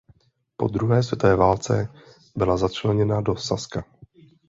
Po druhé světové válce byla začleněna do Saska.